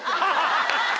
ハハハハ！